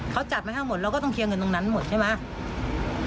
เขาจับมาทั้งหมดเราก็ต้องเคลียร์เงินตรงนั้นหมดใช่ไหม